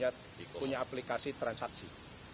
jadi kita harus memiliki aplikasi transaksi